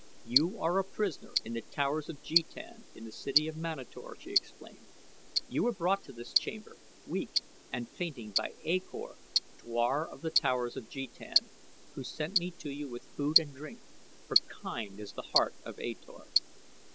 "You are a prisoner in The Towers of Jetan in the city of Manator," she explained. "You were brought to this chamber, weak and fainting, by A Kor, Dwar of The Towers of Jetan, who sent me to you with food and drink, for kind is the heart of A Kor."